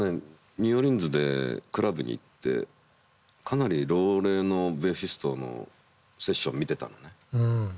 ニューオーリンズでクラブに行ってかなり老齢のベーシストのセッション見てたのね。